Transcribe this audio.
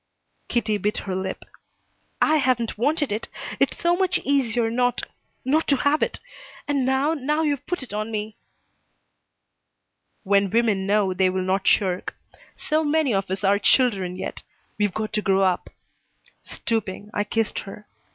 Kitty bit her lip. "I haven't wanted it. It's so much easier not not to have it. And now now you've put it on me." "When women know, they will not shirk. So many of us are children yet. We've got to grow up." Stooping, I kissed her.